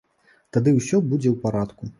Тады ўсё будзе ў парадку.